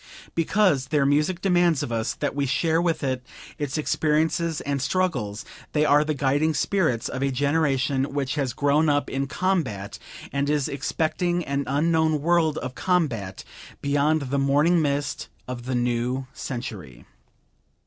Because their music demands of us that we share with it its experiences and struggles, they are the guiding spirits of a generation which has grown up in combat and is expecting an unknown world of combat beyond the morning mist of the new century.